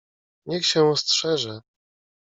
"Niech się strzeże!"